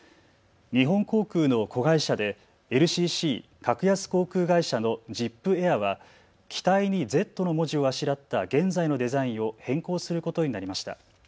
日本航空の子会社でＬＣＣ・格安航空会社のジップエアは機体にＺの文字をあしらった現在のデザインを変更することになりました。